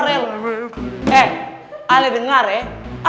eh ale dengar ya